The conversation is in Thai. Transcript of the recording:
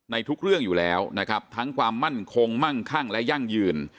ในทุกเรื่องอยู่แล้วนะครับทั้งความมั่นคงมั่งคั่งและยั่งยืน